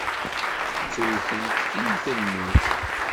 Ttewtent tiyita n lmut.